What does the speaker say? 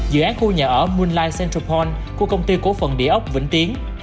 dự án khu nhà ở moonlight central point của công ty cổ phần địa ốc vĩnh tiến